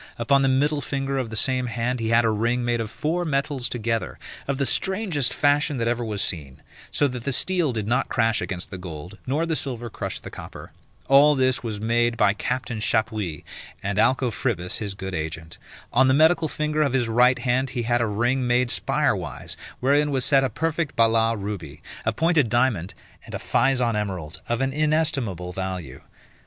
Upon the middle finger of the same hand he had a ring made of four metals together, of the strangest fashion that ever was seen; so that the steel did not crash against the gold, nor the silver crush the copper. All this was made by Captain Chappuys, and Alcofribas his good agent. On the medical finger of his right hand he had a ring made spire wise, wherein was set a perfect Balas ruby, a pointed diamond, and a Physon emerald, of an inestimable value.